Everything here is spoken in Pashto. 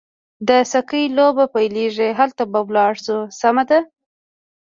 د سکې لوبې پیلېږي، هلته به ولاړ شو، سمه ده.